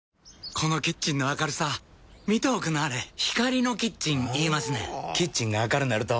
このキッチンの明るさ見ておくんなはれ光のキッチン言いますねんほぉキッチンが明るなると・・・